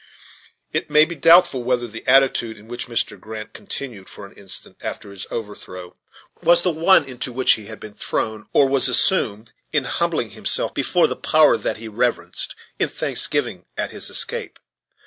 It may be doubtful whether the attitude in which Mr. Grant continued for an instant after his overthrow was the one into which he had been thrown, or was assumed, in humbling himself before the Power that he reverenced, in thanksgiving at his escape.